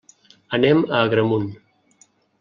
Anem a Agramunt.